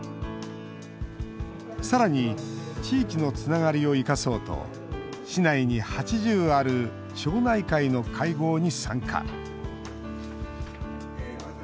さらに地域のつながりを生かそうと市内に８０ある町内会の会合に参加。